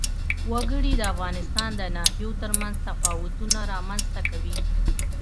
وګړي د افغانستان د ناحیو ترمنځ تفاوتونه رامنځ ته کوي.